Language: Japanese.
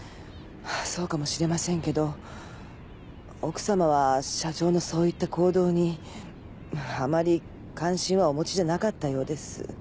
そうかもしれませんけど奥様は社長のそういった行動にあまり関心はお持ちじゃなかったようです。